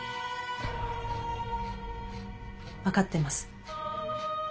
分かってます。